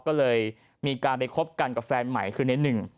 ก็เลยมีการไปคบกันกับแฟนใหม่คือในหนึ่ง